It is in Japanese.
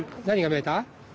何が見えた？